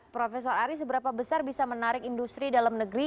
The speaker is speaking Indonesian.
profesor ari seberapa besar bisa menarik industri dalam negeri